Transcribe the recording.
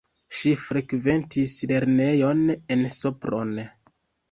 Ŝi frekventis lernejon en Sopron.